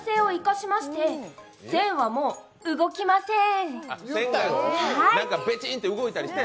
今までの反省を生かしまして、線はもう動きませーん。